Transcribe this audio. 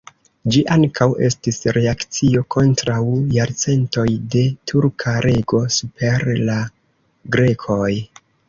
Ĝi ankaŭ estis reakcio kontraŭ jarcentoj de turka rego super la grekoj.